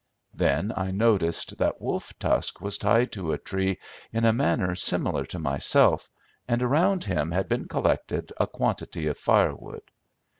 "Then I noticed that Wolf Tusk was tied to a tree in a manner similar to myself, and around him had been collected a quantity of firewood.